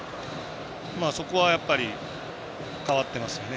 そこはやっぱり変わってますよね。